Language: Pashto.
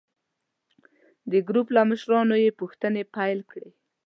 د ګروپ له مشرانو یې پوښتنې پیل کړې.